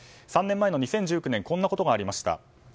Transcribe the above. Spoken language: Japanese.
３年前の２０１９年こんなことがありました。